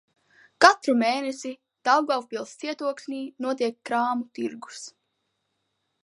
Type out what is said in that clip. Katru mēnesi Daugavpils cietoksnī notiek krāmu tirgus.